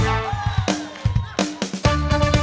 มาฟังอินโทรเพลงที่๑๐